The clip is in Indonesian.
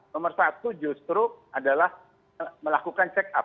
nomor satu justru adalah melakukan check up